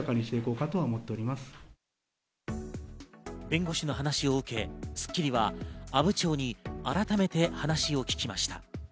弁護士の話を受け『スッキリ』は阿武町に改めて話を聞きました。